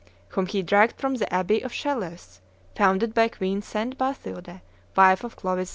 whom he dragged from the abbey of Chelles, founded by Queen St. Bathilde, wife of Clovis II.